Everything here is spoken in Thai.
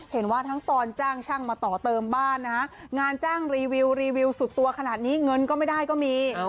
เห็นว่าทั้งตอนจ้างช่างมาต่อเติมบ้านนะฮะงานจ้างรีวิวรีวิวสุดตัวขนาดนี้เงินก็ไม่ได้ก็มี